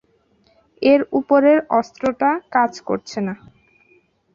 এর উপরের অস্ত্রটা কাজ করছে না।